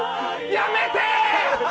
やめて！